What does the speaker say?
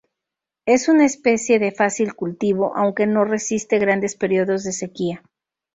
Es una especie de fácil cultivo, aunque no resiste grandes períodos de sequía.